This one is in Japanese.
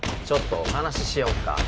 ちょっとお話ししようか？